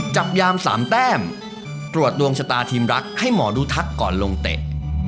จับยาม๓แต้มตรวจดวงชะตาทีมรักให้หมอดูทักก่อนลงเตะ